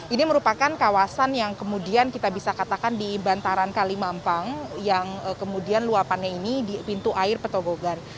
ini merupakan kawasan yang kemudian kita bisa katakan di bantaran kalimampang yang kemudian luapannya ini di pintu air petobogan